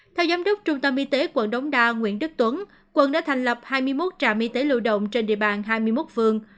theo giám đốc trung tâm y tế quận đống đa nguyễn đức tuấn quận đã thành lập hai mươi một trạm y tế lưu động trên địa bàn hai mươi một phường